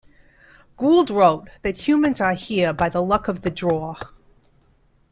Gould wrote that Humans are here by the luck of the draw.